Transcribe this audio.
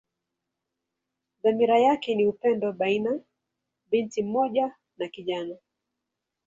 Dhamira yake ni upendo baina binti mmoja na kijana.